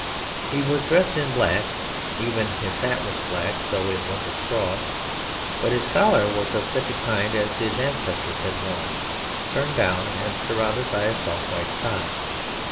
He was dressed in black, even his hat was black (though it was of straw), but his collar was of such a kind as his ancestors had worn, turned down and surrounded by a soft white tie.